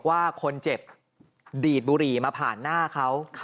ว่าคนเจ็บดีดบุหรี่มาผ่านหน้าเขา